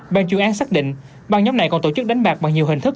ban chuyên án xác định ban nhóm này còn tổ chức đánh bạc bằng nhiều hình thức